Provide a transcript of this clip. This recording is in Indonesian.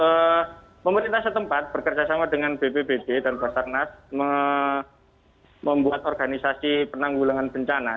lebih lanjut pemerintah setempat berkerjasama dengan bpbd dan basarnas membuat organisasi penanggulangan bencana